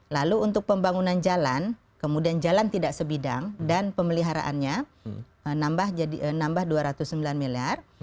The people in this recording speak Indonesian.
lalu untuk pembangunan jalan kemudian jalan tidak sebidang dan pemeliharaannya nambah dua ratus sembilan miliar